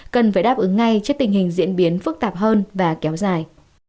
cần phải đáp ứng ngay trước tình hình diễn biến phức tạp hơn và kéo dài